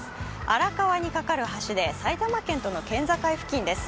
荒川にかかる橋で、埼玉県との県境付近です。